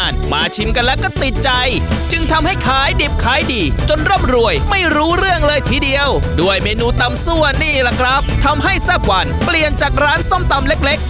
นี่แหละครับทำให้แซ่บวันเปลี่ยนจากร้านส้มตำเล็ก